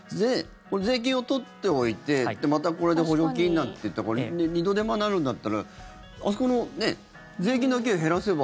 税金を取っておいてまたこれで補助金なんていったら二度手間になるんだったらあそこの税金だけ減らせば。